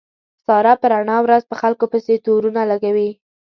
ساره په رڼا ورځ په خلکو پسې تورو نه لګوي.